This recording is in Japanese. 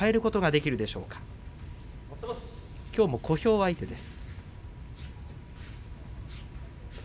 きょうも小兵相手です。